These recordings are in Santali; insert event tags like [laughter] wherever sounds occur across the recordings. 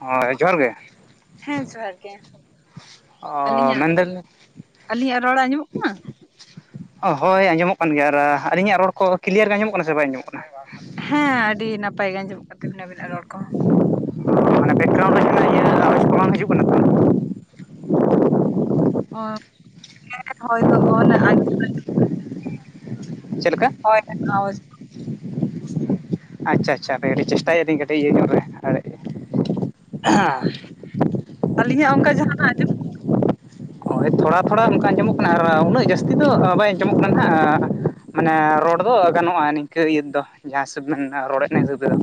ᱦᱳᱭ ᱡᱚᱦᱟᱨ ᱜᱮ ᱦᱮᱸ ᱡᱚᱦᱟᱨ ᱜᱮ᱾ ᱚ ᱟᱹᱞᱤᱧᱟᱜ ᱢᱮᱱᱫᱟᱞᱤᱧ ᱟᱹᱞᱤᱧᱟᱜ ᱨᱚᱲ ᱟᱸᱡᱚᱢᱚᱜ ᱠᱟᱱᱟ? ᱚ ᱦᱳᱭ ᱟᱸᱡᱚᱢᱚᱜ ᱠᱟᱱ ᱜᱮᱭᱟ ᱟᱨ ᱟᱹᱞᱤᱧᱟᱜ ᱨᱚᱲ ᱠᱚ ᱠᱞᱤᱭᱟᱨ ᱜᱮ ᱟᱸᱡᱚᱜ ᱠᱟᱱᱟ ᱥᱮ ᱵᱟᱭ ᱟᱸᱡᱚᱢᱚᱜ ᱠᱟᱱᱟ᱾ ᱦᱮᱸ ᱟᱹᱰᱤ ᱱᱟᱯᱟᱭ ᱜᱮ ᱟᱸᱡᱚᱢᱚᱜ ᱠᱟᱱ ᱛᱟᱵᱤᱱᱟ ᱟᱵᱤᱱᱟᱜ ᱨᱚᱲ ᱠᱚᱦᱚᱸ᱾ ᱢᱟᱱᱮ ᱵᱮᱠᱜᱨᱟᱣᱩᱱᱰ ᱨᱮᱱᱟᱜ ᱡᱟᱦᱟᱱᱟᱜ ᱤᱭᱟᱹ ᱟᱣᱟᱡᱽ ᱠᱚ ᱵᱟᱝ ᱦᱤᱡᱩᱜ ᱠᱟᱱᱟ ᱛᱚ᱾ ᱚ ᱦᱚᱭ ᱫᱚ ᱟᱸᱚᱢ [unintelligible] ᱪᱮᱜ ᱞᱮᱠᱟ ᱦᱚᱭ ᱞᱮᱠᱟ ᱟᱣᱟᱡᱽ ᱠᱚ᱾ ᱟᱪᱪᱷᱟ-ᱟᱪᱪᱷᱟ ᱦᱟᱯᱮ ᱟᱹᱰᱤ ᱪᱮᱥᱴᱟᱭᱮᱫ ᱞᱤᱧ ᱠᱟᱹᱴᱤᱡᱽ ᱤᱭᱟᱹ ᱧᱚᱜ ᱨᱮ᱾ [unintelligible] ᱟᱹᱞᱤᱧᱟᱜ ᱚᱝᱠᱟ ᱡᱟᱸ ᱦᱳᱭ ᱛᱷᱚᱲᱟ-ᱛᱷᱚᱲᱟ ᱚᱱᱠᱟ ᱟᱸᱡᱚᱢᱚᱜ ᱠᱟᱱᱟ ᱟᱨ ᱩᱱᱟᱹᱜ ᱡᱟᱹᱥᱛᱤ ᱫᱚ ᱵᱟᱭ ᱟᱸᱡᱚᱢᱚᱜ ᱠᱟᱱᱟ ᱦᱟᱸᱜ᱾ ᱢᱟᱱᱮ ᱨᱚᱲ ᱫᱚ ᱜᱟᱱᱚᱜᱼᱟ ᱱᱤᱝᱠᱟᱹ ᱤᱭᱟᱹ ᱫᱚ ᱡᱟᱦᱟᱸ ᱦᱤᱥᱟᱹᱵᱽ ᱵᱤᱱ ᱨᱚᱲᱮᱫᱽ ᱦᱤᱥᱟᱹᱵ ᱛᱮᱫᱚ᱾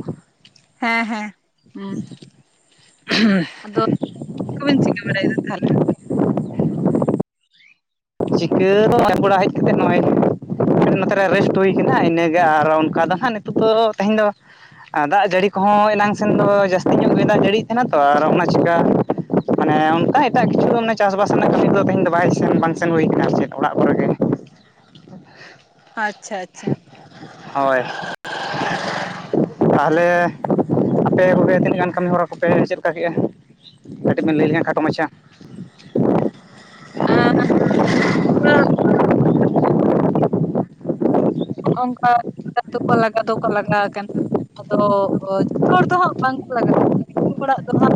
ᱦᱮᱸ-ᱦᱮᱸ, ᱦᱩᱸ [unintelligible] ᱟᱫᱚ ᱪᱮᱫ ᱠᱚ ᱵᱤᱱ ᱪᱤᱠᱟᱹ ᱵᱟᱲᱟᱭᱮᱫᱟ ᱛᱟᱦᱚᱞᱮ᱾ ᱪᱤᱠᱟᱹᱫᱚ ᱟᱨᱩᱵ ᱵᱟᱲᱟ ᱦᱮᱡ ᱠᱟᱛᱮᱫ ᱱᱚᱼᱚᱭ ᱱᱚᱛᱮ ᱨᱮ ᱨᱮᱥᱴ ᱦᱩᱭ ᱠᱟᱱᱟ ᱤᱱᱟᱹᱜᱮ ᱟᱨ ᱚᱱᱠᱟ ᱫᱚ ᱦᱟᱸᱜ ᱱᱤᱛᱚᱜ ᱫᱚ ᱛᱮᱦᱮᱧ ᱫᱚ, ᱟᱨ ᱫᱟᱜ ᱡᱟᱹᱲᱤ ᱠᱚᱦᱚᱸ ᱮᱱᱟᱝ ᱥᱮᱱ ᱫᱚ ᱡᱟᱹᱥᱛᱤ ᱧᱚᱜ ᱜᱮ ᱫᱟᱜ ᱡᱟᱹᱲᱤᱭᱮᱜ ᱛᱟᱦᱮᱱᱟ ᱛᱚ ᱟᱨ ᱚᱱᱟ ᱪᱮᱠᱟ, ᱢᱟᱱᱮ ᱚᱱᱠᱟ ᱮᱴᱟᱜ ᱠᱤᱪᱷᱩ ᱢᱟᱱᱮ ᱪᱟᱥᱵᱟᱥ ᱨᱮᱱᱟᱜ ᱠᱟᱹᱢᱤ ᱫᱚ ᱛᱮᱦᱮᱧ ᱫᱚ ᱵᱟᱭ ᱥᱮᱱ ᱵᱟᱝ ᱥᱮᱱ ᱦᱩᱭ ᱠᱟᱱᱟ ᱥᱮ ᱪᱮᱫᱽ ᱚᱲᱟᱜ ᱠᱚᱨᱮ ᱜᱮ᱾ ᱟᱪᱪᱷᱟ-ᱟᱪᱪᱷᱟ᱾ ᱦᱳᱭ᱾ ᱛᱟᱦᱞᱮ ᱟᱯᱮ ᱠᱚᱜᱮ ᱛᱤᱱᱟᱹᱜ ᱜᱟᱱ ᱠᱟᱹᱢᱤ ᱦᱚᱨᱟ ᱠᱚᱯᱮ ᱪᱮᱫ ᱞᱮᱠᱟ ᱠᱮᱜᱼᱟ᱾ ᱠᱟᱹᱴᱤᱡ ᱵᱮᱱ ᱞᱟᱹᱭ ᱞᱤᱧᱟ ᱠᱷᱟᱴᱚ ᱢᱟᱪᱷᱟ᱾ [unintelligible] [unintelligible] ᱚᱸᱠᱟ ᱞᱟᱜᱟ ᱫᱚᱠᱚ ᱞᱟᱜᱟᱣ ᱫᱚᱠᱚ ᱞᱟᱜᱟᱣ ᱟᱠᱟᱱᱟ᱾ ᱟᱫᱚ ᱡᱚᱛᱚ ᱦᱚᱲ ᱫᱚ ᱦᱟᱸᱜ ᱵᱟᱝᱠᱚ ᱞᱟᱜᱟᱣᱟ ᱠᱤᱪᱷᱩ ᱦᱚᱲᱟᱜ ᱫᱚ ᱦᱟᱸᱜ᱾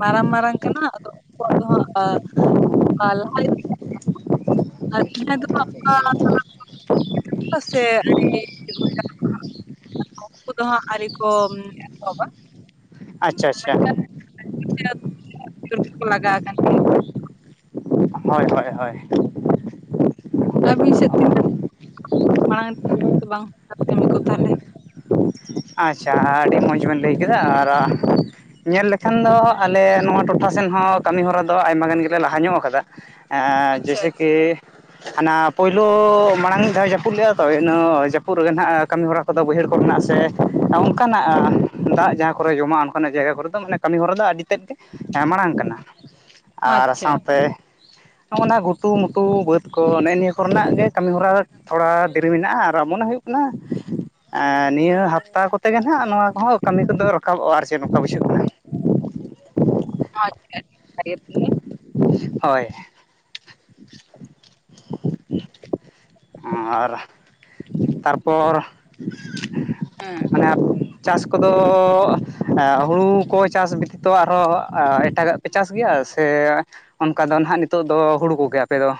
ᱢᱟᱨᱟᱝ ᱢᱟᱨᱟᱝ ᱠᱟᱱᱟ ᱩᱱᱠᱩᱣᱟᱜ ᱫᱚ ᱦᱟᱸᱜ ᱟ [inaudible] ᱫᱚ [unintelligible] ᱥᱮ ᱟᱹ ᱠᱟᱱᱟ ᱩᱱᱠᱩ ᱫᱚ ᱦᱟᱸᱜ ᱟᱹᱨᱤ ᱠᱚ ᱮᱛᱚᱦᱚᱵᱟ [inaudible] ᱟᱪᱪᱷᱟ-ᱟᱪᱪᱷᱟ᱾ ᱪ ᱠᱚ ᱞᱟᱜᱟᱣ ᱟᱠ ᱜᱮ [inaudible] ᱦᱳᱭ-ᱦᱳᱭ-ᱦᱳᱭ᱾ ᱟᱹᱵᱤᱱ ᱥᱮᱫ ᱛᱤᱱᱟᱹᱜ ᱢᱟᱲᱟᱝ ᱥᱮ ᱵᱟᱝ ᱠᱟᱹᱢᱤ ᱠᱚ ᱛᱟᱦᱚᱞᱮ [inaudible] ᱟᱪᱪᱷᱟ ᱟᱹᱰᱤ ᱢᱚᱡᱽ ᱵᱤᱱ ᱞᱟᱹᱭ ᱠᱮᱫᱟ ᱟᱨ ᱧᱮᱞ ᱞᱮᱠᱷᱟᱱ ᱫᱚ ᱟᱞᱮ ᱱᱚᱣᱟ ᱴᱚᱴᱷᱟ ᱥᱮᱱ ᱦᱚᱸ ᱠᱟᱹᱢᱤ ᱦᱚᱨᱟ ᱫᱚ ᱟᱭᱢᱟ ᱜᱟᱱ ᱜᱮᱞᱮ ᱞᱟᱦᱟ ᱧᱚᱜ ᱟᱠᱟᱫᱟ᱾ ᱟᱻ ᱟᱪᱪᱷᱟ ᱡᱮᱭᱥᱮ ᱠᱤ, [inaudible] ᱦᱟᱱᱟ ᱯᱩᱭᱞᱩ ᱢᱟᱲᱟᱝ ᱢᱤᱫ ᱫᱷᱟᱣ ᱡᱟᱹᱯᱩᱫ ᱞᱮᱜᱼᱟ ᱛᱚ, ᱤᱱᱟᱹ ᱡᱟᱹᱯᱩᱫ ᱨᱮᱜᱮ ᱱᱦᱟᱜ ᱠᱟᱹᱢᱤ ᱦᱚᱨᱟ ᱠᱚᱫᱚ ᱵᱟᱹᱭᱦᱟᱹᱲ ᱠᱚᱨᱮᱱᱟᱜ ᱥᱮ, ᱚᱱᱠᱟᱱᱟᱜ ᱫᱟᱜ ᱡᱟᱦᱟᱸ ᱠᱚᱨᱮ ᱡᱚᱢᱟᱜ ᱚᱱᱠᱟᱱᱟᱜ ᱡᱟᱭᱜᱟ ᱠᱚᱨᱮ ᱫᱚ ᱢᱟᱱᱮ ᱠᱟᱹᱢᱤ ᱦᱚᱨᱟ ᱫᱚ ᱟᱹᱰᱤ ᱛᱮᱫᱽ ᱜᱮ, ᱦᱮᱸ ᱢᱟᱲᱟᱝ ᱟᱠᱟᱱᱟ ᱟᱨ ᱟᱪᱪᱷᱟ ᱟᱪᱪᱷᱟ ᱥᱟᱶᱛᱮ, ᱱᱚᱜᱼᱱᱟ ᱜᱷᱩᱴᱩ ᱢᱩᱴᱩ ᱵᱟᱹᱫᱽ ᱠᱚ ᱱᱮᱜᱼᱮ ᱱᱤᱭᱟᱹ ᱠᱚᱨᱮᱱᱟᱜ ᱜᱮ ᱠᱟᱹᱢᱤ ᱦᱚᱨᱟ, ᱛᱷᱚᱲᱟ ᱫᱤᱨᱤ ᱢᱮᱱᱟᱜᱼᱟ ᱟᱨ ᱢᱚᱱᱮ ᱦᱩᱭᱩᱜ ᱠᱟᱱᱟ, ᱮᱜ ᱱᱤᱭᱟᱹ ᱦᱟᱯ ᱦᱟᱛᱟᱣ ᱠᱚᱛᱮ ᱜᱮ ᱱᱟᱦᱱᱟᱜ ᱱᱚᱣᱟ ᱠᱚᱦᱚᱸ ᱠᱟᱹᱢᱤ ᱠᱚᱫᱚ ᱨᱟᱠᱟᱵᱚᱜᱼᱟ ᱟᱨ ᱪᱮᱫ ᱱᱚᱝᱠᱟ ᱵᱩᱡᱷᱟᱹᱜ ᱠᱟᱱᱟ᱾ [unintelligible] ᱟᱪᱪᱷᱟ᱾ ᱟᱹ [unintelligible] ᱦᱳᱭ᱾ [unintelligible] ᱳᱢ ᱟᱨ ᱛᱟᱨᱯᱚᱨ ᱦᱮᱸ ᱾ [unintelligible] ᱦᱮᱸ ᱪᱟᱥ ᱠᱚᱫᱚ ᱦᱩᱲᱩᱠᱚ ᱪᱟᱥ ᱛᱚ ᱟᱨᱦᱚᱸ ᱮᱴᱟᱜᱟᱜ ᱪᱟᱥ ᱜᱮᱭᱟ ᱥᱮ ᱚᱱᱠᱟ ᱫᱚ ᱱᱷᱟᱦᱟᱜ ᱱᱤᱛᱚᱜ ᱫᱚ ᱦᱩᱲᱩ ᱠᱚᱜᱮ ᱟᱯᱮᱫᱚ?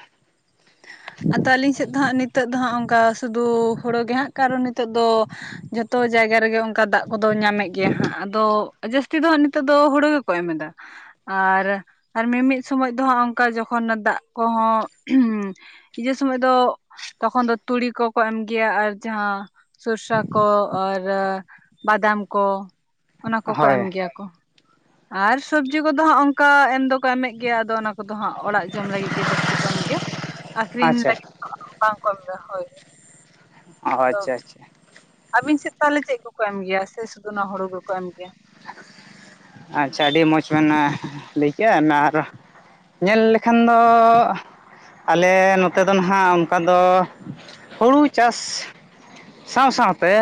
ᱟᱫᱚ ᱟᱹᱞᱤᱧ ᱥᱮᱫ ᱫᱚ ᱦᱟᱸᱜ ᱱᱤᱛᱚᱜ ᱫᱚ ᱦᱟᱸᱜ ᱚᱱᱠᱟ ᱥᱩᱫᱷᱩ ᱦᱩᱲᱳᱮ ᱜᱮ ᱦᱟᱸᱜ ᱠᱟᱨᱚᱱ ᱱᱤᱛᱚᱜ ᱫᱚ ᱡᱚᱛᱚ ᱡᱟᱭᱜᱟ ᱨᱮᱜᱮ ᱚᱱᱠᱟ ᱫᱟᱜ ᱠᱚᱫᱚ ᱧᱟᱢᱮᱫ ᱜᱮᱭᱟ ᱦᱟᱸᱜ ᱟᱫᱚ ᱡᱟᱹᱥᱛᱤ ᱫᱚ ᱦᱟᱸᱜ ᱱᱤᱛᱚᱜ ᱫᱚ ᱦᱩᱲᱳ ᱜᱮᱠᱚ ᱮᱢ ᱮᱫᱟ᱾ ᱟᱨ ᱢᱤᱢᱤᱫ ᱥᱚᱢᱚᱭ ᱫᱚ ᱦᱟᱜ ᱚᱱᱠᱟ ᱡᱚᱠᱷᱚᱱ ᱫᱟᱜ ᱠᱚᱦᱚᱸ ᱦᱤᱡᱩᱜ ᱥᱚᱢᱚᱭ ᱫᱚ ᱛᱚᱠᱷᱚᱱ ᱫᱚ ᱛᱩᱲᱤ ᱠᱚᱠᱚ ᱮᱢ ᱜᱮᱭᱟ ᱟᱨ ᱡᱟᱦᱟᱸ ᱥᱚᱨᱥᱟ ᱠᱚ ᱟᱨ ᱵᱟᱫᱟᱢ ᱠᱚ ᱚᱱᱟ ᱠᱚᱠᱚ ᱦᱳᱭ ᱮᱢᱜᱮᱭᱟ ᱠᱚ᱾ ᱟᱨ ᱥᱚᱵᱽᱡᱤ ᱠᱚᱫᱚ ᱦᱟᱸᱜ ᱚᱱᱠᱟ ᱮᱢ ᱫᱚᱠᱚ ᱮᱢᱮᱫ ᱜᱮᱭᱟ ᱟᱫᱚ ᱚᱱᱟ ᱠᱩᱫᱚ ᱦᱟᱸᱜ ᱚᱲᱟᱜ ᱡᱚᱢ ᱞᱟᱹᱜᱤᱫ ᱜᱮ ᱡᱟᱹᱥᱛᱤ ᱠᱚ ᱮᱢ ᱜᱮᱭᱟ ᱟᱠᱷᱨᱤᱧ ᱟᱪᱪᱷᱟ ᱞᱟᱹᱜᱤᱫ ᱫᱚ ᱵᱟᱝ ᱠᱚ ᱮᱢ ᱜᱮᱭᱟ ᱦᱳᱭ᱾ ᱚ ᱟᱪᱪᱷᱟ ᱟᱪᱪᱷᱟ᱾ ᱟᱵᱤᱱ ᱥᱮᱫ ᱛᱟᱦᱚᱞᱮ ᱪᱮᱫ ᱠᱚᱠᱚ ᱮᱢ ᱜᱮᱭᱟ ᱥᱮ ᱥᱩᱫᱩ ᱦᱳᱲᱳ ᱜᱮ ᱠᱚᱠᱚ ᱮᱢ ᱜᱮᱭᱟ? ᱟᱪᱪᱷᱟ ᱟᱹᱰᱤ ᱢᱚᱡᱽ ᱵᱮᱱ ᱞᱟᱹᱭ ᱠᱮᱜᱼᱟ ᱱᱟᱨ᱾ ᱧᱮᱞ ᱞᱮᱠᱷᱟᱱ ᱫᱚ ᱟᱞᱮ ᱱᱚᱛᱮ ᱫᱚ ᱱᱟᱦᱟᱜ ᱚᱱᱠᱟ ᱫᱚ ᱦᱩᱲᱩ ᱪᱟᱥ᱾ ᱥᱟᱶ ᱥᱟᱶᱛᱮ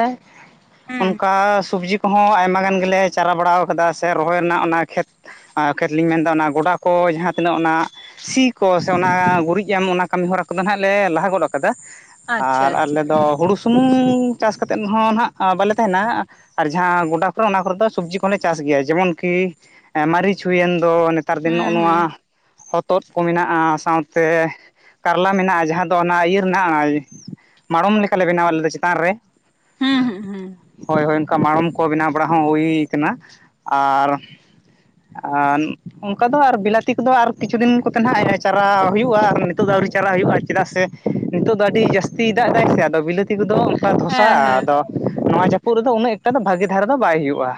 ᱦᱩᱸ ᱚᱱᱠᱟ ᱥᱚᱵᱽᱡᱤ ᱠᱚᱦᱚᱸ ᱟᱭᱢᱟ ᱜᱟᱱ ᱜᱮᱞᱮ ᱪᱟᱨᱟ ᱵᱟᱲ ᱠᱟᱫᱟ ᱥᱮ ᱨᱚᱦᱚᱭ ᱨᱮᱱᱟᱜ ᱚᱱᱟ ᱠᱷᱮᱛ ᱠᱷᱮᱛᱞᱤᱧ ᱢᱮᱱᱫᱟ ᱚᱱᱟ ᱜᱚᱰᱟ ᱠᱚ ᱡᱟᱦᱟᱸ ᱛᱤᱱᱟᱹᱜ ᱚᱱᱟ ᱥᱤ ᱠᱚ ᱥᱮ ᱚᱱᱟ ᱜᱩᱨᱤᱡ ᱮᱢ ᱚᱱᱟ ᱠᱟᱹᱢᱤ ᱦᱚᱨᱟ ᱠᱚᱫᱚ ᱱᱟᱦᱟᱸᱜ ᱞᱮ ᱞᱟᱦᱟ ᱜᱚᱫ ᱠᱟᱫᱟ᱾ ᱟᱪᱪᱷᱟ ᱟᱨ ᱟᱞᱮ ᱟᱪᱪᱷᱟ ᱫᱚ ᱦᱩᱲᱩᱥ ᱥᱩᱢᱩᱝ ᱪᱟᱥ ᱠᱟᱛᱮᱫ ᱦᱚᱸ ᱱᱟᱦᱟᱜ ᱵᱟᱞᱮ ᱛᱟᱦᱮᱱᱟ ᱟᱨ ᱡᱟᱦᱟᱸ ᱜᱚᱰᱟ ᱠᱚᱨᱮ ᱚᱱᱟ ᱠᱚᱨᱮᱫ ᱫᱚ ᱥᱚᱵᱽᱡᱤ ᱠᱚᱞᱮ ᱪᱟᱥ ᱜᱮᱭᱟ ᱡᱮᱢᱚᱱᱠᱤ ᱢᱟᱹᱨᱤᱪ ᱦᱩᱭᱮᱱ ᱫᱚ ᱱᱮᱛᱟᱨ ᱫᱤᱱ ᱱᱚᱜᱼᱚ ᱦᱩᱸ ᱦᱩᱸ ᱱᱚᱣᱟ ᱦᱚᱛᱚᱫ ᱠᱚ ᱢᱮᱱᱟᱜᱼᱟ ᱥᱟᱶᱛᱮ ᱠᱟᱨᱞᱟ ᱢᱮᱱᱟᱜᱼᱟ ᱡᱟᱦᱟᱸ ᱫᱚ ᱚᱱᱟ ᱤᱭᱟᱹ ᱨᱮᱱᱟᱜ ᱢᱟᱲᱚᱢ ᱞᱮᱠᱟᱞᱮ ᱵᱮᱱᱟᱣᱟ ᱞᱮᱟᱫ ᱞᱮ ᱪᱮᱛᱟᱱ ᱨᱮ᱾ ᱦᱩᱸ ᱦᱩᱸ ᱦᱩᱸ ᱦᱳᱭ ᱦᱳᱭ ᱚᱱᱠᱟ ᱢᱟᱲᱚᱢ ᱠᱚ ᱵᱮᱱᱟᱣ ᱵᱟᱲᱟ ᱦᱚᱸ ᱦᱩᱭ ᱠᱟᱱᱟ ᱟᱨ ᱟᱨ ᱚᱱᱠᱟ ᱫᱚ ᱟᱨ ᱵᱤᱞᱟᱹᱛᱤ ᱠᱚᱫᱚ ᱟᱨ ᱠᱤᱪᱷᱩ ᱫᱤᱱ ᱠᱚᱛᱮ ᱱᱟᱦᱜ ᱪᱟᱨᱟ ᱦᱩᱭᱩᱜᱼᱟ ᱟᱨ ᱱᱤᱛᱚᱜ ᱫᱚ ᱟᱹᱣᱨᱤ ᱪᱟᱞᱟᱜ ᱦᱩᱭᱩᱜᱼᱟ ᱪᱮᱫᱟᱜ ᱥᱮ ᱱᱤᱛᱚᱜ ᱫᱚ ᱟᱹᱰᱤ ᱡᱟᱹᱥᱛᱤᱭ ᱫᱟᱜ ᱫᱟᱭ ᱥᱮ ᱟᱫᱚ ᱵᱤᱞᱟᱹᱛᱤ ᱠᱚᱫᱚ ᱚᱱᱠᱟ ᱦᱮᱸ ᱫᱷᱚᱥᱟᱜᱼᱟ ᱦᱮᱸ ᱟᱫᱚ ᱱᱚᱣᱟ ᱡᱟᱹᱯᱩᱫ ᱨᱮᱫᱚ ᱩᱱᱟᱹᱜ ᱮᱠᱴᱟ ᱫᱚ ᱵᱷᱟᱹᱜᱮ ᱫᱷᱟᱨᱟ ᱫᱚ ᱵᱟᱭ ᱦᱩᱭᱩᱜᱼᱟ᱾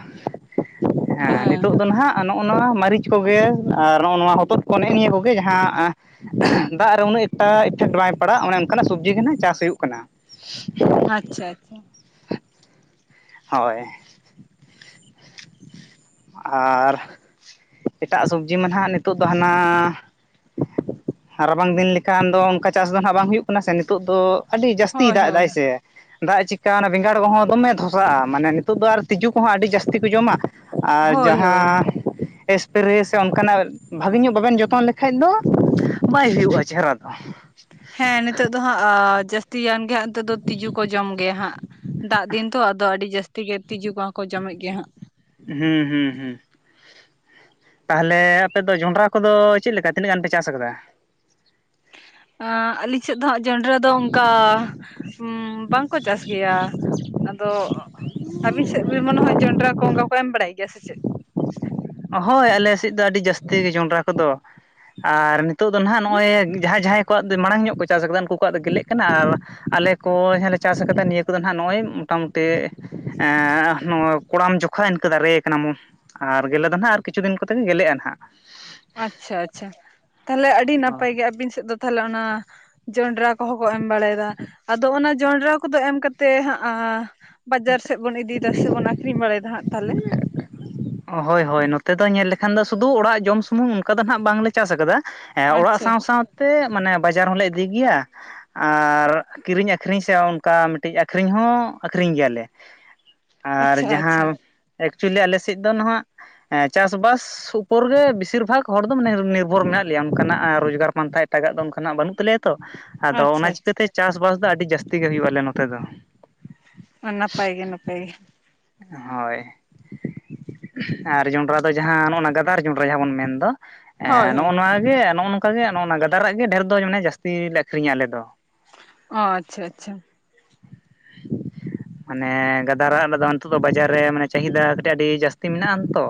ᱦᱮᱸ ᱱᱤᱛᱚᱜ ᱫᱚ ᱱᱟᱦᱟᱜ ᱟᱨ ᱱᱚᱜᱼᱚ ᱱᱚᱣᱟ ᱢᱟᱹᱨᱤᱪ ᱠᱚᱜᱮ ᱟᱨ ᱱᱚᱜᱼᱚ ᱱᱚᱣᱟ ᱦᱚᱛᱚᱫ ᱠᱚ ᱱᱮᱜᱼᱮ ᱱᱤᱭᱟᱹ ᱠᱚᱜᱮ ᱡᱟᱦᱟᱸ ᱫᱟᱜ ᱨᱮ ᱩᱱᱟᱹᱜ ᱮᱠᱴᱟ ᱤᱯᱷᱮᱠᱴ ᱵᱟᱭ ᱯᱟᱲᱟᱜ ᱚᱱᱮ ᱚᱱᱠᱟᱱᱟᱜ ᱥᱚᱵᱽᱡᱤ ᱜᱮ ᱱᱟᱦᱟᱜᱪᱟᱥ ᱦᱩᱭᱩᱜ ᱠᱟᱱᱟ᱾ ᱟᱪᱪᱷᱟ ᱟᱪᱪᱷᱟ᱾ ᱦᱚᱭ ᱟᱨ ᱮᱴᱟᱜ ᱥᱚᱵᱽᱡᱤ ᱢᱟ ᱱᱟᱦᱟᱜ ᱱᱤᱛᱚᱜ ᱫᱚ ᱦᱟᱱᱟ ᱨᱟᱵᱟᱝ ᱫᱤᱱ ᱞᱮᱠᱷᱟᱱ ᱫᱚ ᱚᱱᱠᱟ ᱪᱟᱥ ᱫᱚ ᱦᱟᱸᱜ ᱵᱟᱝ ᱦᱩᱭᱩᱜ ᱠᱟᱱᱟ ᱥᱮ ᱱᱤᱛᱳᱜ ᱫᱚ ᱟᱹᱰᱤ ᱡᱟᱹᱥᱛᱤ ᱦᱳᱭ ᱫᱟᱜ ᱦᱳᱭ ᱫᱟᱭ ᱥᱮ ᱫᱟᱜ ᱪᱤᱠᱟ ᱵᱮᱸᱜᱟᱲ ᱠᱚᱦᱚᱸ ᱫᱚᱢᱮ ᱫᱷᱚ ᱥᱟᱜᱼᱟ ᱢᱟᱱᱮ ᱱᱤᱛᱚᱜ ᱫᱚ ᱟᱨ ᱛᱤᱡᱩ ᱠᱚᱦᱚᱸ ᱟᱹᱰᱤ ᱡᱟᱹᱥᱛᱤ ᱠᱚ ᱡᱚᱢᱟ ᱟᱨ ᱦᱳᱭ ᱦᱳᱭ ᱡᱟᱦᱟᱸᱻ ᱮᱥᱯᱮᱨᱮᱥ ᱚᱱᱠᱟᱱᱟᱜ ᱵᱷᱟᱜᱤ‌ ᱧᱚᱜ ᱵᱟᱵᱮᱱ ᱡᱚᱛᱚᱱ ᱞᱮᱠᱟᱡ ᱫᱚ ᱵᱟᱭ ᱦᱩᱭᱩᱜᱼᱟ ᱪᱮᱦᱨᱟ ᱫᱚ᱾ ᱦᱮᱸ ᱱᱤᱛᱳᱜ ᱫᱚ ᱦᱟᱸᱜ ᱟᱻ ᱡᱟᱹᱥᱛᱤᱭᱟᱱ ᱜᱮ ᱦᱟᱸᱜ ᱱᱤᱛᱚᱜ ᱫᱚ ᱛᱤᱡᱩ ᱠᱚ ᱡᱚᱢ ᱜᱮᱭᱟ ᱦᱟᱸᱜ᱾ ᱫᱟᱜ ᱫᱤᱱ ᱛᱚ ᱟᱫᱚ ᱟᱹᱰᱤ ᱡᱟᱹᱥᱛᱤ ᱜᱮ ᱛᱤᱡᱩ ᱵᱟᱝᱠᱚ ᱡᱚᱢᱮᱫ ᱜᱮᱭᱟ ᱦᱟᱸᱜ᱾ ᱦᱩᱸ ᱦᱩᱸ ᱦᱩᱸ ᱛᱟᱦᱚᱞᱮ ᱟᱯᱮᱫᱚ ᱡᱚᱱᱰᱨᱟ ᱠᱚᱫᱚ ᱪᱮᱫ ᱞᱮᱠᱟ ᱛᱤᱱᱟᱹᱜ ᱜᱟᱱ ᱯᱮ ᱪᱟᱥ ᱟᱠᱟᱫᱟ? ᱟᱻ ᱟᱹᱞᱤᱧ ᱥᱮᱫ ᱫᱚ ᱦᱟᱸᱜ ᱡᱚᱱᱰᱨᱟ ᱫᱚ ᱚᱱᱠᱟ, ᱩᱸᱻ ᱵᱟᱝᱠᱚ ᱪᱟᱥ ᱜᱮᱭᱟ ᱟᱫᱚ ᱟᱹᱵᱤᱱ ᱥᱮᱫ ᱵᱮᱱ ᱢᱚᱱᱮ ᱦᱚᱭ ᱡᱚᱱᱰᱨᱟ ᱠᱚ ᱚᱱᱠᱟ ᱮᱢ ᱵᱟᱲᱟᱭ ᱜᱮᱭᱟ ᱥᱮ ᱪᱮᱫ? ᱦᱚᱭ ᱟᱞᱮ ᱥᱮᱫ ᱫᱚ ᱟᱹᱰᱤ ᱡᱟᱹᱥᱛᱤ ᱜᱮ ᱡᱚᱱᱰᱨᱟ ᱠᱚᱫᱚ ᱟᱨ ᱱᱤᱛᱚᱜ ᱫᱚ ᱱᱟᱦᱟᱜ ᱱᱚᱜᱼᱚᱭ ᱡᱟᱦᱟᱸᱭ ᱡᱟᱦᱟᱸᱭ ᱠᱚᱣᱟᱜ ᱫᱚ ᱢᱟᱲᱟᱝ ᱧᱚᱜ ᱠᱚ ᱪᱟᱥ ᱠᱟᱫᱟ ᱩᱱᱠᱩ ᱠᱚᱣᱟᱜ ᱫᱚ ᱜᱮᱞᱮᱜ ᱠᱟᱱᱟ ᱟᱨ, ᱟᱞᱮ ᱠᱚ ᱡᱟᱦᱟᱸ ᱞᱮ ᱪᱟᱥ ᱠᱟᱫᱟ ᱱᱤᱭᱟᱹ ᱠᱚᱫᱚ ᱱᱟᱦᱟᱜ ᱱᱚᱜᱼᱚᱭ ᱢᱚᱴᱟᱢᱩᱴᱤ ᱮᱻ ᱱᱚᱣᱟ ᱠᱚᱲᱟᱢ ᱡᱠᱷᱟᱡ ᱤᱱᱠᱟᱹ ᱫᱟᱨᱮ ᱠᱟᱱᱟ ᱢᱚᱱ ᱵᱷᱟᱸᱜᱮᱞᱮᱠᱟ ᱫᱚ ᱦᱟᱱᱟᱜ ᱟᱨ ᱠᱤᱪᱷᱩ ᱫᱤᱱ ᱠᱚᱛᱮ ᱜᱮ ᱜᱮᱞᱮᱜᱼᱟ ᱱᱟᱦᱱᱟᱜ ᱟᱪᱪᱷᱟ ᱟᱪᱪᱷᱟ ᱛᱟᱦᱚᱞᱮ ᱟᱹᱰᱤ ᱱᱟᱯᱟᱭ ᱚ ᱜᱮ ᱟᱵᱤᱱ ᱥᱮᱫ ᱫᱚ ᱛᱟᱦᱚᱞᱮ ᱚᱱᱟ ᱡᱚᱱᱰᱨᱟ ᱠᱚᱦᱚᱸ ᱠᱚ ᱮᱢ ᱵᱟᱲᱟᱭᱫᱟ ᱟᱫᱚ ᱚᱱᱟ ᱡᱚᱸᱰᱨᱟ ᱠᱚᱫᱚ ᱮᱢ ᱠᱟᱛᱮᱜ ᱦᱟᱸᱜ ᱟ ᱵᱟᱡᱟᱨ ᱥᱮᱫ ᱵᱚᱱ ᱤᱫᱤᱭᱫᱟ ᱥᱮ ᱵᱚᱱ ᱟᱠᱷᱨᱤᱧ ᱵᱟᱲᱟᱭ ᱫᱟ ᱦᱟᱜ ᱛᱟᱦᱚᱞᱮ ᱦᱳᱭ ᱦᱳᱭ ᱱᱚᱛᱮ ᱫᱚ ᱧᱮᱞ ᱞᱮᱠᱷᱟᱱ ᱫᱚ ᱥᱩᱫᱩ ᱚᱲᱟᱜ ᱡᱚᱢ ᱥᱩᱢᱩᱝ ᱚᱱᱠᱟ ᱫᱚ ᱱᱟᱟᱜ ᱵᱟᱝᱞᱮ ᱪᱟᱥ ᱟᱠᱟᱫᱟ ᱮᱸ ᱚᱲᱟᱜ ᱟᱪᱪᱷᱟ ᱥᱟᱶ ᱥᱟᱶᱛᱮ ᱢᱟᱱᱮ ᱵᱟᱡᱟᱨ ᱦᱚᱞᱮ ᱤᱫᱤ ᱜᱮᱭᱟ᱾ ᱟᱨ ᱠᱤᱨᱤᱧ ᱟᱹᱠᱷᱨᱤᱧ ᱥᱮ ᱚᱝᱠᱟ ᱢᱤᱫᱴᱤᱡ ᱟᱹᱠᱷᱨᱤᱧ ᱦᱚᱸ ᱟᱹᱠᱷᱨᱤᱧ ᱜᱮᱭᱟᱞᱮ᱾ ᱟᱨ ᱟᱪᱪᱷᱟ ᱟᱪᱪᱷᱟ ᱡᱟᱦᱟᱸ ᱮᱠᱪᱩᱞᱤ ᱟᱞᱮᱥᱮᱫ ᱫᱚ ᱱᱟᱦᱟᱜ ᱪᱟᱥᱵᱟᱥ ᱥᱩᱯᱩᱨ ᱨᱮ ᱵᱤᱥᱤᱨ ᱵᱷᱟᱜᱽ ᱦᱚᱲ ᱫᱚ ᱢᱟᱱᱮ-ᱚ ᱱᱤᱨᱵᱷᱚᱨ ᱢᱮᱱᱟᱜ ᱞᱮᱭᱟ ᱚᱝᱠᱟᱱᱟᱜ ᱨᱳᱡᱽᱜᱟᱨ ᱯᱟᱱᱛᱷᱟ ᱮᱴᱟᱜᱟᱜ ᱫᱚ ᱚᱝᱠᱟᱱᱟᱜ ᱵᱟᱹᱱᱩᱜ ᱛᱟᱞᱮᱭᱟ ᱛᱚ ᱟᱫᱚ ᱟᱪᱪᱷᱟ ᱚᱱᱟ ᱪᱤᱠᱟᱹᱛᱮ ᱪᱟᱥᱵᱟᱥ ᱫᱚ ᱟᱹᱰᱤ ᱡᱟᱹᱥᱛᱤ ᱜᱮ ᱦᱩᱭᱩᱜ ᱟᱞᱮ ᱱᱚᱛᱮ ᱫᱚ᱾ ᱱᱟᱯᱟᱭ ᱜᱮ ᱱᱟᱯᱟᱭ ᱜᱮ᱾ ᱦᱳᱭ ᱟᱨ ᱡᱚᱸᱰᱨᱟ ᱫᱚ ᱡᱟᱦᱟᱸ ᱱᱚᱜᱼ ᱱᱚᱣᱟ ᱜᱟᱫᱟᱨ ᱡᱚᱸᱰᱨᱟ ᱡᱟᱦᱟᱸ ᱵᱚᱱ ᱢᱮᱱᱫᱟ ᱦᱳᱭ ᱱᱚᱜᱼᱚ ᱦᱳᱭ ᱱᱚᱣᱟ ᱜᱮ ᱱᱚᱜᱼᱚ ᱱᱚᱝᱠᱟ ᱜᱮ ᱱᱚᱜᱼᱚ ᱜᱟᱫᱟᱨᱟᱜ ᱜᱮ ᱰᱷᱮᱨ ᱫᱚ ᱢᱟᱱᱮ ᱡᱟᱹᱥᱛᱤ ᱞᱮ ᱟᱹᱠᱷᱨᱤᱧᱟ ᱟᱞᱮ ᱫᱚ᱾ ᱚ ᱟᱪᱪᱷᱟ ᱟᱪᱪᱷᱟ᱾ [inaudible] ᱢᱟᱱᱮ ᱜᱟᱫᱟᱨᱟᱜ ᱨᱮᱫᱚ ᱱᱤᱛᱚᱜ ᱫᱚ ᱵᱟᱡᱟᱨ ᱨᱮ ᱢᱟᱱᱮ ᱪᱟᱹᱦᱤᱫᱟ ᱠᱟᱹᱴᱤᱡ ᱟᱹᱰᱤ ᱡᱟᱹᱥᱛᱤ ᱢᱮᱱᱟᱜᱼᱟᱱ ᱛᱚ᱾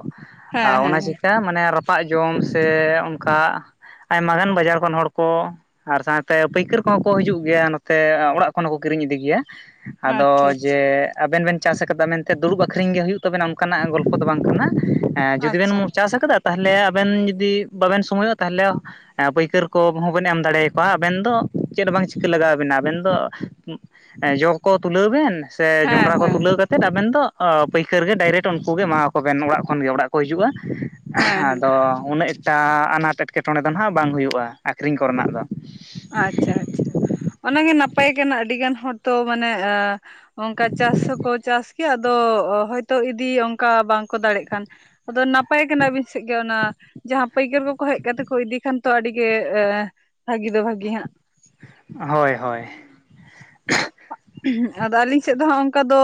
ᱟ ᱦᱮᱸ ᱚᱱᱟ ᱦᱮᱸ ᱪᱤᱛᱟ ᱢᱟᱱᱮ ᱨᱟᱯᱟᱜ ᱡᱚᱢ ᱥᱮ ᱚᱱᱠᱟ ᱟᱭᱢᱟ ᱜᱟᱱ ᱵᱟᱡᱟᱨ ᱠᱷᱚᱱ ᱦᱚᱲ ᱠᱚ ᱟᱨ ᱥᱟᱶᱛᱮ ᱯᱟᱹᱭᱠᱟᱹᱨ ᱠᱚᱦᱚᱸ ᱠᱚ ᱦᱤᱡᱩᱜ ᱜᱮᱭᱟ ᱱᱚᱛᱮ ᱚᱲᱟᱜ ᱠᱷᱚᱱ ᱠᱤᱨᱤᱧ ᱤᱫᱤ ᱜᱮᱭᱟ ᱟᱫᱚ ᱟᱪᱪᱷᱟ ᱟᱪᱪᱷᱟ ᱡᱮ ᱟᱵᱮᱱ ᱵᱮᱱ ᱪᱟᱥ ᱟᱠᱟᱫᱟ ᱢᱮᱱᱛᱮ ᱫᱩᱲᱩᱵᱽ ᱟᱠᱠᱷᱨᱤᱧ ᱜᱮ ᱦᱩᱭᱩᱜ ᱛᱟᱵᱮᱱᱟ ᱚᱱᱠᱟᱱᱟᱜ ᱜᱚᱞᱯᱷᱚ ᱫᱚ ᱵᱟᱝ ᱠᱟᱱᱟ ᱡᱩᱫᱤ ᱵᱮᱱ ᱟᱪᱪᱷᱟ ᱪᱟᱥ ᱟᱠᱟᱫᱟ ᱛᱟᱦᱟᱞᱮ ᱟᱵᱮᱱ ᱡᱩᱫᱤ ᱵᱟᱵᱮᱱ ᱥᱚᱢᱚᱭᱚᱜᱼᱟ ᱛᱟᱦᱚᱞᱮ ᱮᱸ ᱯᱟᱹᱭᱠᱟᱹᱨ ᱠᱚ ᱦᱚᱸᱵᱮᱱ ᱮᱢ ᱫᱟᱲᱮᱭᱟ ᱠᱚᱣᱟ ᱟᱵᱮᱱ ᱫᱚ ᱪᱮᱫ ᱦᱚᱸ ᱵᱟᱝ ᱪᱤᱠᱟᱹ ᱞᱟᱜᱟᱣ ᱟᱵᱮᱱᱟ ᱟᱵᱮᱱ ᱫᱚ ᱡᱚ ᱠᱚ ᱛᱩᱞᱟᱹᱣ ᱵᱮᱱ ᱥᱮ ᱦᱮᱸ ᱡᱚᱸᱰᱨᱟ ᱠᱚ ᱦᱮᱸ ᱛᱩᱞᱟᱹᱣ ᱠᱟᱛ ᱛᱮᱫᱽ ᱟᱵᱮᱱ ᱫᱚ ᱯᱟᱹᱭᱠᱟᱹᱨ ᱜᱮ ᱰᱟᱭᱨᱮᱴ ᱩᱱᱠᱩ ᱜᱮ ᱮᱢᱟᱣ ᱟᱠᱚᱵᱮᱱ ᱚᱲᱟᱜ ᱠᱷᱚᱱᱜᱮ ᱚᱲᱟᱜ ᱠᱚ ᱦᱤᱡᱩᱜᱼᱟ᱾ ᱦᱮᱸ ᱦᱮᱸ ᱟᱫᱚ ᱩᱱᱟᱹᱜ ᱮᱴᱟ ᱟᱱᱟᱴ ᱮᱸᱴᱠᱮᱴᱚᱬᱮ ᱫᱚ ᱱᱟᱦᱟᱸᱜ ᱵᱟᱝ ᱦᱩᱭᱩᱜᱼᱟ ᱟᱠᱠᱷᱤᱨᱤᱧ ᱠᱚᱨᱮᱱᱟᱜ ᱫᱚ᱾ ᱟᱪᱪᱷᱟ ᱟᱪᱪᱷᱟ ᱚᱱᱟᱜᱮ ᱱᱟᱯᱟᱭ ᱠᱟᱱᱟ ᱟᱹᱰᱤ ᱜᱟᱱ ᱦᱚᱲ ᱛᱚ ᱢᱟᱱᱮ ᱮᱸᱻ ᱚᱝᱠᱟ ᱪᱟᱥ ᱦᱚᱸᱠᱚ ᱪᱟᱥ ᱠᱮᱭᱟ ᱟᱫᱚ ᱦᱚᱭᱛᱳ ᱤᱫᱤ ᱚᱝᱠᱟ ᱵᱟᱝᱠᱚ ᱫᱟᱲᱮᱜ ᱠᱟᱱ᱾ ᱟᱫᱚ ᱱᱟᱯᱟᱭ ᱠᱟᱱᱟᱵᱤᱱ ᱥᱮᱜ ᱜᱮ ᱚᱱᱟ ᱡᱟᱦᱟᱸ ᱯᱟᱹᱭᱠᱟᱹᱨ ᱠᱚᱠᱚ ᱦᱮᱡ ᱠᱟᱛᱮ ᱠᱚ ᱤᱫᱤ ᱠᱷᱟᱱ ᱛᱚ ᱟᱹᱰᱤ ᱜᱮ ᱵᱷᱟᱹᱜᱤ ᱫᱚ ᱵᱷᱟᱹᱜᱤ ᱦᱟᱸᱜ᱾ ᱦᱳᱭ ᱦᱳᱭ ᱟᱫᱚ ᱟᱹᱞᱤᱧ ᱥᱮᱫ ᱫᱚ ᱦᱟᱸᱜ ᱚᱝᱠᱟ ᱫᱚ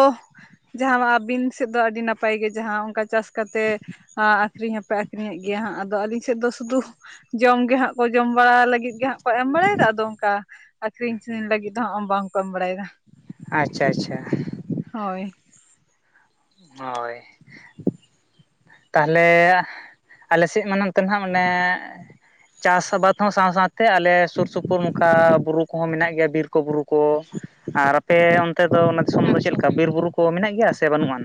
ᱡᱟᱦᱟᱸ ᱢᱟ ᱟᱹᱵᱤᱱ ᱥᱮᱫ ᱫᱚ ᱟᱹᱰᱤ ᱱᱟᱯᱟᱭ ᱜᱮ ᱡᱟᱦᱟᱸ ᱚᱝᱠᱟ ᱪᱟᱥ ᱠᱟᱛᱮ ᱟᱠᱷᱨᱤᱧ ᱦᱚᱸᱯᱮ ᱟᱠᱷᱤᱨᱤᱧᱮᱜ ᱜᱮᱭᱟ ᱦᱟᱸᱜ ᱟᱫᱚ ᱟᱞᱤᱧ ᱥᱮᱫ ᱫᱚ ᱥᱩᱫᱷᱩ ᱡᱚᱢ ᱜᱮ ᱦᱟᱸᱜ ᱠᱚ ᱡᱚᱢ ᱵᱟᱲᱟ ᱞᱟᱹᱜᱤᱫ ᱜᱮ ᱦᱟᱸᱜ ᱠᱚ ᱮᱢ ᱵᱟᱲᱟᱭ ᱫᱟ ᱟᱫᱚ ᱚᱝᱠᱟ ᱟᱠᱠᱷᱨᱤᱧ ᱥᱮᱱ ᱞᱟᱹᱜᱤᱫ ᱫᱚ ᱦᱚᱸᱜ ᱵᱟᱝᱠᱚ ᱮᱢ ᱵᱟᱲᱟᱭᱫᱟ᱾ ᱟᱪᱪᱷᱟ ᱟᱪᱪᱷᱟ᱾ ᱦᱳᱭ, ᱦᱳᱭ, ᱛᱟᱦᱟᱞᱮ ᱟᱞᱮᱥᱮᱜ ᱢᱟ ᱱᱟᱱᱛᱮ ᱱᱟᱦᱟᱸᱜ ᱢᱟᱱᱮ ᱪᱟᱥ ᱟᱵᱟᱫᱽ ᱦᱚᱸ ᱥᱟᱶᱼᱥᱟᱶᱛᱮ ᱟᱞᱮ ᱥᱩᱨ ᱥᱩᱯᱩᱨ ᱱᱚᱝᱠᱟ ᱵᱩᱨᱩ ᱠᱚᱦᱚᱸ ᱢᱮᱱᱟᱜ ᱜᱮᱭᱟ ᱵᱤᱨ ᱠᱚ ᱵᱩᱨᱩ ᱠᱚ ᱟᱨ ᱟᱯᱮ ᱚᱱᱛᱮ ᱫᱚ ᱚᱱᱟ ᱫᱤᱥᱚᱢ ᱫᱚ ᱪᱮᱫ ᱟᱪᱪᱷᱟ ᱞᱮᱠᱟ ᱵᱤᱨ ᱵᱩᱨᱩ ᱠᱚ ᱢᱮᱱᱟᱜ ᱜᱮᱭᱟ ᱥᱮ ᱵᱟᱹᱱᱩᱜᱼᱟᱱ?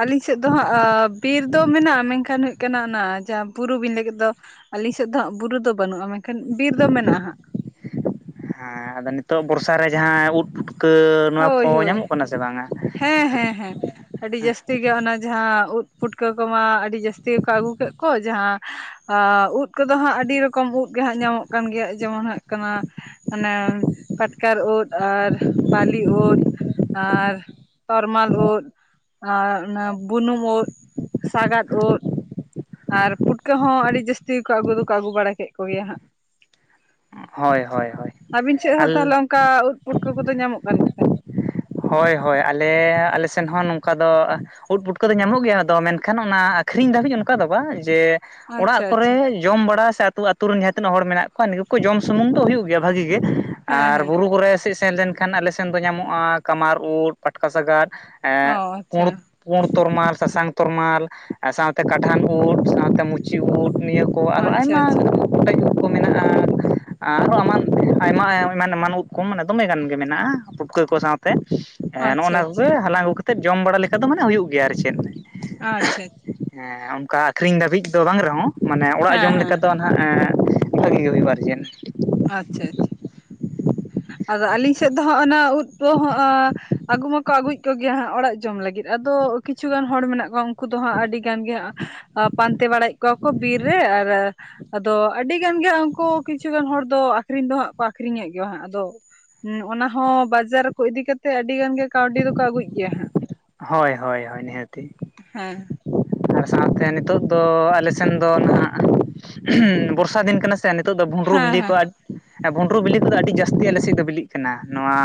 ᱟᱹᱞᱤᱧ ᱥᱮᱜ ᱫᱚ ᱦᱟᱸᱜ ᱟᱸ ᱵᱤᱨ ᱫᱚ ᱢᱮᱱᱟᱜᱼᱟ ᱢᱮᱱᱠᱷᱟᱱ ᱦᱩᱭᱩᱜ ᱠᱟᱱᱟ ᱚᱱᱟ ᱡᱟᱦᱟᱸ ᱵᱩᱨᱩ ᱵᱤᱱ ᱞᱟᱹᱭ ᱠᱮᱫ ᱫᱚ, ᱟᱹᱞᱤᱧ ᱥᱮᱜ ᱫᱚ ᱦᱟᱸᱜ ᱵᱩᱨᱩ ᱫᱚ ᱵᱟᱹᱱᱩᱜᱼᱟ, ᱢᱮᱱᱠᱷᱟᱱ ᱵᱤᱨ ᱫᱚ ᱢᱮᱱᱟᱜᱼᱟ ᱦᱟᱸᱜ᱾ ᱦᱮᱸ ᱟᱫᱚ ᱱᱤᱛᱳᱜ ᱵᱚᱨᱥᱟ ᱨᱮ ᱡᱟᱦᱟᱸ ᱩᱫ ᱯᱷᱩᱴᱠᱟᱹ ᱱᱚᱣᱟ ᱦᱳᱭ ᱠᱚ ᱦᱳᱭ ᱧᱟᱢᱚᱜ ᱠᱟᱱᱟ ᱥᱮ ᱵᱟᱝᱟ? ᱦᱮᱸ ᱦᱮᱸ ᱦᱮᱸ᱾ ᱟᱹᱰᱤ ᱡᱟᱹᱥᱛᱤ ᱜᱮ ᱚᱱᱟ ᱡᱟᱦᱟᱸ ᱩᱫ ᱯᱩᱴᱠᱟᱹ ᱠᱚᱢᱟ ᱟᱹᱰᱤ ᱡᱟᱹᱥᱛᱤ ᱜᱮᱠᱚ ᱟᱹᱜᱩ ᱠᱮᱜ ᱠᱚ ᱡᱟᱦᱟᱸ ᱟᱸ ᱩᱫ ᱠᱚᱫᱚ ᱦᱟᱸᱜ ᱟᱹᱰᱤ ᱨᱚᱠᱚᱢ ᱩᱫ ᱜᱮ ᱦᱟᱸᱜ ᱧᱟᱢᱚᱜ ᱠᱟᱱ ᱜᱮᱭᱟ ᱡᱮᱢᱚᱱ ᱦᱟᱸᱜ, ᱠᱟᱱᱟ ᱢᱟᱱᱮ ᱯᱟᱴᱠᱟᱨ ᱩᱫ ᱟᱨ ᱵᱟᱞᱤ ᱩᱫ᱾ ᱟᱨ ᱛᱚᱨᱢᱟᱞ ᱩᱫ ᱟᱨ ᱚᱱᱟ ᱵᱩᱱᱩᱢ ᱩᱫ ᱥᱟᱜᱟᱫᱽ ᱩᱫ ᱟᱨ ᱯᱩᱴᱠᱟᱹ ᱦᱚᱸ ᱟᱹᱰᱤ ᱡᱟᱹᱥᱛᱤ ᱜᱮᱠᱚ ᱟᱹᱜᱩ ᱫᱚᱠᱚ ᱟᱹᱜᱩ ᱵᱟᱲᱟ ᱠᱮᱜ ᱠᱚᱜᱮᱭᱟ ᱦᱟᱸᱜ᱾ ᱦᱳᱭ ᱦᱳᱭ ᱦᱳᱭ ᱟᱹᱵᱤᱱ ᱥᱮᱜ ᱦᱚᱸ ᱟᱞ ᱛᱟᱦᱚᱞᱮ ᱚᱱᱠᱟ ᱩᱫ ᱯᱩᱴᱠᱟᱹ ᱠᱚᱫᱚ ᱧᱟᱢᱚᱜ ᱠᱟᱱ ᱠᱟᱱ ᱦᱳᱭ ᱦᱳᱭ ᱟᱞᱮ ᱟᱞᱮ ᱥᱮᱱ ᱦᱚᱸ ᱱᱚᱝᱠᱟ ᱫᱚ ᱩᱫ ᱯᱩᱴᱠᱟᱹ ᱫᱚ ᱧᱟᱢᱚᱜ ᱜᱮᱭᱟ ᱟᱫᱚ ᱢᱮᱱᱠᱷᱟᱱ ᱚᱱᱟ ᱟᱹᱠᱷᱨᱤᱧ ᱫᱷᱟᱹᱵᱤᱜ ᱚᱱᱠᱟ ᱵᱟᱝ ᱡᱮ ᱟᱪᱪᱷᱟ ᱚᱲᱟᱜ ᱟᱪᱪᱷᱟ ᱠᱚᱨᱮ, ᱡᱚᱢ ᱵᱟᱲᱟ ᱥᱮ ᱟᱹᱛᱩ ᱟᱹᱛᱩ ᱨᱮᱱ ᱡᱟᱦᱟᱸ ᱛᱤᱱᱟᱹᱜ ᱦᱚᱲ ᱢᱮᱱᱟᱜ ᱠᱚᱣᱟ ᱱᱩᱠᱩ ᱠᱚ ᱡᱚᱢ ᱥᱩᱢᱩᱝ ᱫᱚ ᱦᱩᱭᱩᱜ ᱜᱮᱭᱟ ᱵᱷᱟᱹᱜᱤ ᱜᱮ᱾ ᱦᱮᱸ ᱟᱨ ᱦᱮᱸ ᱵᱩᱨᱩ ᱠᱚᱨᱮ ᱥᱮᱜ ᱥᱮᱱ ᱞᱮᱱᱠᱷᱟᱱ ᱟᱞᱮ ᱥᱮᱱ ᱫᱚ ᱧᱟᱢᱚᱜᱼᱟ ᱠᱟᱢᱟᱨ ᱩᱫ ᱯᱟᱴᱠᱟ ᱥᱟᱜᱟᱫ ᱚᱸ ᱟᱪᱪᱷᱟ᱾ ᱯᱩᱲ ᱛᱚᱨᱢᱟᱞ, ᱥᱟᱥᱟᱝ ᱛᱚᱨᱢᱟᱞ ᱟᱨ ᱥᱟᱶᱛᱮ ᱠᱟᱰᱷᱟᱱ ᱩᱫ, ᱥᱟᱶᱛᱮ ᱢᱩᱪᱤ ᱩᱫ ᱱᱤᱭᱟᱹ ᱠᱚ ᱟᱨᱚ ᱟᱪᱪᱷᱟ ᱟᱭᱢᱟ ᱟᱪᱪᱷᱟ ᱠᱚᱴᱮᱡ ᱩᱫ ᱠᱚ ᱢᱮᱱᱟᱜᱼᱟ᱾ ᱟᱨᱚ ᱮᱢᱟᱱ ᱟᱭᱢᱟ ᱮᱢᱟᱱ ᱮᱢᱟᱱ ᱩᱫ ᱠᱚ ᱢᱟᱱᱮ ᱫᱚᱢᱮ ᱜᱟᱱ ᱜᱮ ᱢᱮᱱᱟᱜᱼᱟ, ᱯᱩᱴᱠᱟᱹ ᱠᱚ ᱥᱟᱶ ᱛᱮ ᱮᱸ ᱟᱪᱪᱷᱟ ᱱᱚᱜᱼᱚᱱᱟ ᱠᱚᱜᱮ ᱟᱪᱪᱷᱟ ᱦᱟᱞᱟᱝ ᱟᱹᱜᱩ ᱠᱟᱛᱮᱜ ᱡᱚᱢ ᱵᱟᱲᱟ ᱞᱮᱠᱟ ᱫᱚ ᱢᱟᱱᱮ ᱦᱩᱭᱩᱜ ᱜᱮᱭᱟ ᱟᱨ ᱪᱮᱫ᱾ ᱟᱪᱪᱷᱟᱪ᱾ ᱦᱮᱸ ᱚᱱᱠᱟ ᱟᱠᱷᱨᱤᱧ ᱫᱷᱟᱹᱵᱤᱜ ᱫᱚ ᱵᱟᱝ ᱨᱮᱦᱚᱸ ᱢᱟᱱᱮ ᱚᱲᱟᱜ ᱦᱮᱸ ᱡᱚᱢ ᱞᱮᱠᱟ ᱦᱮᱸ ᱫᱚ ᱮᱸ ᱵᱷᱟᱹᱜᱤ ᱦᱩᱭ ᱦᱩᱭᱩᱜᱼᱟ ᱟᱨ ᱪᱮᱫ᱾ ᱟᱪᱪᱷᱟ ᱟᱪᱪᱷᱟ, ᱟᱫᱚ ᱟᱞᱤᱧ ᱥᱮᱜ ᱫᱚ ᱦᱚᱸᱜ ᱚᱱᱟ ᱩᱫ ᱠᱚᱦᱚᱸ ᱟᱹᱜᱩ ᱢᱟᱠᱚ ᱟᱹᱜᱩᱭᱮᱜ ᱠᱚᱜᱮᱭᱟ ᱦᱟᱸᱜ ᱚᱲᱟᱜ ᱡᱚᱢ ᱞᱟᱹᱜᱤᱫ ᱟᱫᱚ ᱠᱤᱪᱷᱩᱜᱟᱱ ᱦᱚᱲ ᱢᱮᱱᱟᱜ ᱠᱚᱣᱟ ᱩᱱᱠᱩ ᱫᱚ ᱦᱟᱸᱜ ᱟᱹᱰᱤ ᱜᱟᱱ ᱜᱮ ᱦᱟᱸᱜ ᱟᱸ ᱯᱟᱱᱛᱮ ᱵᱟᱲᱟᱭᱮᱜ ᱠᱚᱣᱟ ᱠᱚ ᱵᱤᱨ ᱨᱮ ᱟᱨ ᱟᱫᱚ ᱟᱹᱰᱤ ᱜᱟᱱ ᱜᱮ ᱩᱱᱠᱩ ᱠᱤᱪᱷᱩᱜᱟᱱ ᱦᱚᱲ ᱫᱚ ᱟᱹᱠᱷᱨᱤᱧ ᱫᱚ ᱦᱟᱸᱜ ᱠᱚ ᱟᱹᱠᱷᱨᱤᱧᱮᱜ ᱜᱮᱭᱟ ᱦᱟᱸᱜ ᱟᱫᱚ, ᱦᱮᱸ ᱚᱱᱟ ᱦᱚᱸ ᱵᱟᱡᱟᱨ ᱠᱚ ᱤᱫᱤ ᱠᱟᱛᱮᱜ ᱟᱹᱰᱤ ᱜᱟᱱ ᱜᱮ ᱠᱟᱹᱣᱰᱤ ᱫᱚᱠᱚ ᱟᱹᱜᱩᱭᱮᱜ ᱜᱮᱭᱟ ᱦᱟᱸᱜ᱾ ᱦᱳᱭ ᱦᱳᱭ ᱦᱳᱭ ᱱᱤᱦᱟᱹᱛᱤ᱾ ᱦᱮᱸ ᱟᱨ ᱥᱟᱶᱛᱮ ᱱᱤᱛᱚᱜ ᱫᱚ ᱟᱞᱮ ᱥᱮᱱ ᱫᱚ ᱱᱟᱦᱟᱸᱜ ᱵᱚᱨᱥᱟ ᱫᱤᱱ ᱠᱟᱱᱟ ᱥᱮ ᱱᱤᱛᱚᱜ ᱫᱚ ᱵᱷᱩᱸᱰᱨᱩ ᱦᱮᱸ ᱵᱤᱞᱤ ᱠᱚ ᱦᱮᱸ ᱮ ᱵᱷᱩᱸᱰᱨᱩ ᱵᱤᱞᱤ ᱠᱚᱫᱚ ᱟᱹᱰᱤ ᱡᱟᱹᱥᱛᱤ ᱟᱞᱮ ᱥᱮᱜ ᱫᱚ ᱵᱤᱞᱤᱜ ᱠᱟᱱᱟ, ᱱᱚᱣᱟ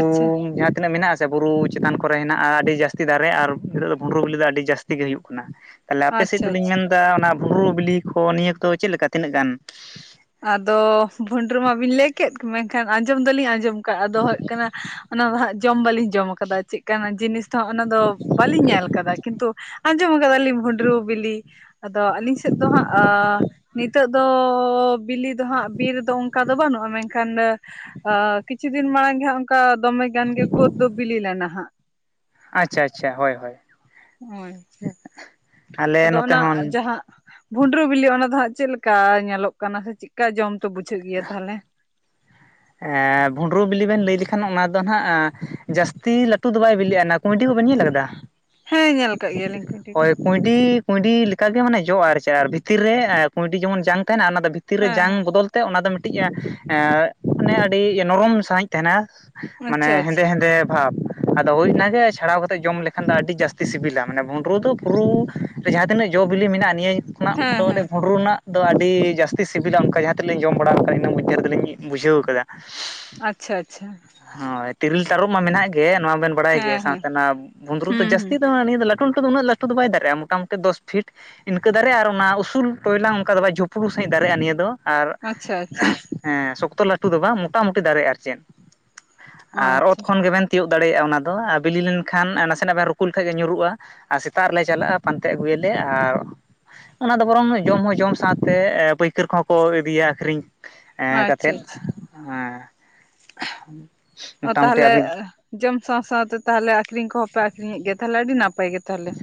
ᱟᱪᱪᱷᱟ ᱡᱟᱦᱟᱸ ᱛᱤᱱᱟᱹᱜ ᱢᱮᱱᱟᱜ-ᱟ ᱥᱮ ᱵᱩᱨᱩ ᱪᱮᱛᱟᱱ ᱠᱚᱨᱮ ᱦᱮᱱᱟᱜᱼᱟ ᱟᱹᱰᱤ ᱡᱟᱹᱥᱛᱤ ᱫᱟᱨᱮ ᱟᱨ ᱦᱤᱛᱚᱜ ᱫᱚ ᱵᱷᱩᱸᱰᱨᱩ ᱵᱤᱞᱤ ᱫᱚ ᱟᱹᱰᱤ ᱡᱟᱹᱥᱛᱤ ᱜᱮ ᱦᱩᱭᱩᱜ ᱠᱟᱱᱟ᱾ ᱛᱟᱦᱚᱞᱮ ᱟᱯᱮ ᱥᱮᱜ ᱟᱪᱪᱷᱟ ᱟᱪᱪᱷᱟ ᱫᱚᱞᱤᱧ ᱢᱮᱱᱫᱟ ᱚᱱᱟ ᱵᱩᱨᱩ ᱵᱤᱞᱤ ᱠᱚ ᱱᱤᱭᱟᱹ ᱠᱚᱫᱚ ᱪᱮᱜ ᱞᱮᱠᱟ ᱛᱤᱱᱟᱹᱜ ᱜᱟᱱ? ᱟᱫᱚ ᱵᱷᱩᱱᱰᱨᱩ ᱢᱟ ᱵᱤᱱ ᱞᱟᱹᱭ ᱠᱮᱫ ᱠᱚ ᱢᱮᱱᱠᱷᱟᱱ ᱟᱸᱡᱚᱢ ᱫᱚᱞᱤᱧ ᱟᱸᱡᱚᱢ, ᱠᱟ ᱟᱫᱚ ᱦᱩᱭᱩᱜ ᱠᱟᱱᱟ ᱚᱱᱟ ᱫᱚ ᱦᱟᱸᱜ ᱡᱚᱢ ᱵᱟᱞᱤᱧ ᱡᱚᱢ ᱠᱟᱫᱟ ᱪᱮᱫᱠᱟ ᱱᱟᱜ ᱡᱤᱱᱤᱥ ᱛᱚ ᱚᱱᱟ ᱫᱚ ᱵᱟᱹᱞᱤᱧ ᱧᱮᱞ ᱠᱟᱫᱟ ᱠᱤᱱᱛᱩ ᱟᱸᱡᱚᱢ ᱠᱟᱫ ᱞᱤᱧ ᱵᱷᱩᱸᱰᱨᱩ ᱵᱤᱞᱤ, ᱟᱫᱚ ᱟᱹᱞᱤᱧ ᱥᱮᱫ ᱫᱚ ᱦᱟᱸᱜ ᱟ ᱱᱤᱛ ᱛᱳᱜ ᱫᱚ ᱵᱤᱞᱤ ᱫᱚ ᱦᱟᱸᱜ ᱵᱤᱨ ᱨᱮᱫᱚ ᱚᱱᱠᱟ ᱫᱚ ᱵᱟᱹᱱᱩᱜᱼᱟ ᱢᱮᱱᱠᱷᱟᱱ ᱟ ᱠᱤᱪᱷᱩ ᱫᱤᱱ ᱢᱟᱲᱟᱝ ᱜᱮ ᱦᱟᱸᱜ ᱚᱱᱠᱟ ᱫᱚᱢᱮ ᱜᱟᱱ ᱜᱮ ᱠᱳᱫ ᱫᱚ ᱵᱤᱞᱤ ᱞᱮᱱᱟ ᱦᱟᱸᱜ᱾ ᱟᱪᱪᱷᱟ ᱟᱪᱪᱷᱟ ᱦᱳᱭ ᱦᱳᱭ᱾ ᱦᱳᱭ᱾ ᱟᱞᱮ ᱟᱫᱚ ᱱᱚᱛᱮ ᱚᱱᱟ ᱦᱚᱸᱱ ᱡᱟᱦᱟᱸ ᱵᱷᱩᱸᱰᱨᱩ ᱵᱤᱞᱤ ᱚᱱᱟ ᱫᱚ ᱦᱟᱸᱜ ᱪᱮᱫ ᱞᱮᱠᱟ ᱧᱮᱞᱚᱜ ᱠᱟᱱᱟ ᱥᱮ ᱪᱮᱫᱠᱟ ᱡᱚᱢ ᱛᱮ ᱵᱩᱡᱷᱟᱹᱜ ᱜᱮᱭᱟ ᱛᱟᱦᱚᱞᱮ? ᱮᱸ ᱵᱷᱩᱸᱰᱨᱩ ᱵᱤᱞᱤ ᱵᱮᱱ ᱞᱟᱹᱭ ᱞᱮᱠᱷᱟᱱ ᱚᱱᱟ ᱫᱚ ᱱᱟᱦᱟᱜ ᱟ ᱡᱟᱹᱥᱛᱤ ᱞᱟᱴᱩ ᱫᱚ ᱵᱟᱭ ᱵᱤᱞᱤᱜᱼᱟ ᱱᱟ ᱠᱩᱭᱰᱤ ᱠᱚᱵᱮᱱ ᱧᱮᱞ ᱠᱟᱫ? ᱦᱮᱸ ᱧᱮᱞ ᱠᱟᱜ ᱜᱮᱭᱟᱞᱤᱧ ᱠᱩᱸᱭᱰᱤ ᱠᱚ᱾ ᱦᱳᱭ ᱠᱩᱸᱭᱰᱤ ᱠᱩᱸᱭᱰᱤ ᱞᱮᱠᱟ ᱜᱮ ᱢᱟᱱᱮ ᱡᱚᱜᱼᱟ ᱟᱨ ᱪᱮᱫ ᱟᱨ ᱵᱷᱤᱛᱤᱨ ᱨᱮ ᱮ ᱠᱩᱸᱭᱰᱤ ᱡᱮᱢᱚᱱ ᱡᱟᱝ ᱛᱟᱦᱮᱱᱟ ᱚᱱᱟ ᱫᱚ ᱵᱷᱤ ᱛᱤᱨ ᱨᱮ ᱦᱮᱸ ᱡᱟᱝ ᱦᱮᱸ ᱵᱚᱫᱚᱞ ᱛᱮ ᱚᱱᱟ ᱫᱚ ᱢᱤᱫᱴᱤᱡ ᱮᱸ ᱢᱟᱱᱮ ᱟᱹᱰᱤ ᱱᱚᱨᱚᱢ ᱥᱟᱹᱦᱤᱡ ᱛᱟᱦᱮᱱᱟ᱾ ᱢᱟᱱᱮ ᱟᱪᱪᱷᱟ ᱦᱮᱸᱫᱮ ᱟᱪᱪᱷᱟ ᱦᱮᱸᱫᱮ ᱵᱷᱟᱵ᱾ ᱟᱫᱚ ᱦᱳᱭ ᱚᱱᱟ ᱜᱮ ᱪᱷᱟᱲᱟᱣ ᱠᱟᱛᱮᱜ ᱡᱚᱢ ᱞᱮᱠᱷᱟᱱ ᱫᱚ ᱟᱹᱰᱤ ᱡᱟᱹᱥᱛᱤ ᱥᱤᱵᱤᱞᱟ ᱢᱟᱱᱮ ᱵᱩᱸᱰᱨᱩ ᱫᱚ ᱯᱩᱨᱩ ᱨᱮ ᱡᱟᱦᱟᱸ ᱛᱤᱱᱟᱹᱜ ᱡᱚ ᱵᱤᱞᱤ ᱢᱮᱱᱟᱜᱼᱟ ᱱᱤᱭᱟᱹ ᱠᱷᱚᱱᱟᱜ ᱫᱚ ᱦᱮᱸ ᱫᱚ ᱟᱹᱰᱤ ᱦᱮᱸ ᱵᱷᱩᱱᱰᱨᱩ ᱨᱮᱱᱟᱜ ᱫᱚ ᱟᱹᱰᱤ ᱡᱟᱹᱥᱛᱤ ᱥᱤᱵᱤᱞᱟ ᱚᱱᱠᱟ ᱡᱟᱦᱟᱸ ᱛᱤ ᱨᱮᱞᱤᱧ ᱡᱚᱢ ᱵᱟᱲᱟᱣ ᱠᱟᱫ ᱤᱱᱟᱹ ᱢᱚᱫᱫᱷᱮ ᱨᱮᱫᱚ ᱞᱤᱧ ᱵᱩᱡᱷᱟᱹᱣ ᱠᱟᱫᱟ᱾ ᱟᱪᱪᱷᱟ ᱟᱪᱪᱷᱟ᱾ ᱦᱚᱸᱭ ᱛᱤᱨᱞ ᱛᱟᱨᱩᱵ ᱢᱟ ᱢᱮᱱᱟᱜ ᱜᱮ ᱱᱚᱣᱟ ᱵᱮᱱ ᱵᱟᱲᱟᱭ ᱜᱮᱭᱟ ᱦᱮᱸ ᱦᱮᱸ ᱥᱟᱶᱛᱮ ᱱᱚᱣᱟ ᱵᱩᱸᱫᱽᱨᱩ ᱫᱚ ᱦᱩᱸ ᱦᱩᱸ ᱡᱟᱹᱥᱛᱤ ᱫᱚ ᱱᱤᱭᱟᱹ ᱫᱚ ᱞᱟ ᱴᱩ ᱞᱟᱹᱴᱩ ᱫᱚ ᱩᱱᱟᱹᱜ ᱞᱟᱹᱴᱩ ᱫᱚ ᱵᱟᱭ ᱫᱟᱨᱮᱜ-ᱟ ᱢᱚᱴᱟᱢᱩᱴᱤ ᱫᱚᱥ ᱯᱷᱤᱴ᱾ ᱤᱱᱠᱟᱹ ᱫᱟᱨᱮᱜᱼᱟ ᱟᱨ ᱚᱱᱟ ᱩᱥᱩᱞ ᱴᱚᱭᱞᱟᱝ ᱚᱱᱠᱟ ᱫᱚ ᱵᱟᱭ ᱡᱩᱯᱲᱩ ᱥᱟᱺᱦᱤᱡ ᱫᱟᱨᱮᱜᱼᱟ ᱱᱤᱭᱟᱹ ᱫᱚ᱾ ᱟᱨ, ᱟᱪᱪᱷᱟ ᱟᱪᱪᱷᱟ ᱦᱮᱸ ᱥᱚᱠᱛᱚ ᱞᱟᱹᱴᱩ ᱫᱚ ᱵᱟᱝ ᱢᱚᱴᱟᱢᱩᱴᱤ ᱫᱟᱨᱮᱜ-ᱟ ᱟᱨ ᱪᱮᱫ᱾ ᱟᱨ ᱚᱛ ᱟᱪᱪᱷᱟ ᱠᱷᱚᱱ ᱜᱮᱵᱮᱱ ᱛᱤᱭᱳᱜ ᱫᱟᱲᱮᱭᱟᱜᱼᱟ ᱚᱱᱟ ᱫᱚ ᱟ ᱵᱤᱞᱤ ᱞᱮᱱᱠᱷᱟᱱ ᱱᱟᱥᱮᱱᱟᱜ ᱵᱮᱱ ᱨᱩᱠᱩ ᱞᱮᱠᱷᱟᱡ ᱜᱮ ᱧᱩᱨᱩᱜᱼᱟ᱾ ᱟᱨ ᱥᱮᱛᱟᱜ ᱨᱮᱞᱮ ᱪᱟᱞᱟᱜᱟ ᱯᱟᱱᱛᱮ ᱟᱹᱜᱩᱭᱟᱞᱮ ᱟᱨ ᱚᱱᱟ ᱫᱚ ᱵᱚᱨᱚᱝ ᱡᱚᱢ ᱦᱚᱸ ᱡᱚᱢ ᱥᱟᱶᱛᱮ ᱮ ᱯᱟᱹᱭᱠᱟᱹᱨ ᱠᱚᱦᱚᱸ ᱠᱚ ᱤᱫᱤᱭᱟ ᱟᱠᱷᱨᱤᱧ᱾ ᱮᱸ ᱟᱪᱪᱷᱟ ᱠᱟᱛᱮᱫ ᱟᱪᱪᱷᱟ ᱮᱸ ᱚ ᱛᱟᱦᱟᱞᱮ ᱮᱷ ᱡᱚᱢ ᱥᱟᱶ ᱥᱟᱶ ᱛᱮ ᱛᱟᱦᱟᱞᱮ ᱟᱠᱷᱨᱤᱧ ᱠᱚᱦᱚᱸ ᱯᱮ ᱟᱠᱷᱨᱤᱧᱮᱜ ᱜᱮᱭᱟ ᱛᱟᱦᱟᱞᱮ ᱟᱹᱰᱤ ᱱᱟᱯᱟᱭ ᱜᱮ ᱛᱟᱦᱟᱞᱮ᱾